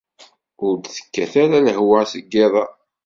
Ur d-tekkat ara lehwa deg yiḍ-a.